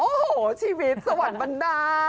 โอ้โหชีวิตสวรรค์บรรดา